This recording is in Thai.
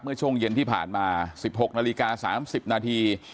เมื่อช่วงเย็นที่ผ่านมา๑๖นาฬิกา๓๐นาที